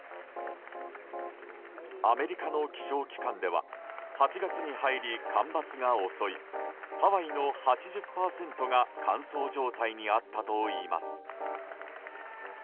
アメリカの気象機関では８月に入り干ばつが襲いハワイの８０％が乾燥状態にあったといいます。